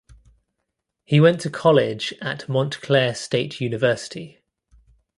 He went to college at Montclair State University.